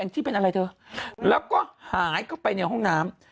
ที่เป็นอะไรเธอแล้วก็หายเข้าไปในห้องน้ำ